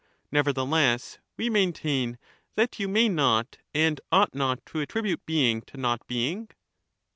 Nevertheless, we maintain that you may not and ought not to attribute being to not being